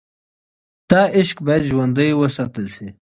دا عشق باید ژوندی وساتل شي.